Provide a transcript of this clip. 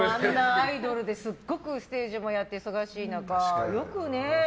アイドルですっごくステージもやって忙しい中よくね。